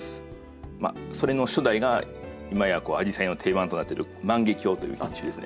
それの初代が今やアジサイの定番となってる「万華鏡」という品種ですね。